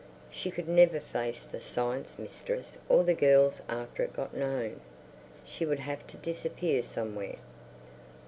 She could never face the Science Mistress or the girls after it got known. She would have to disappear somewhere.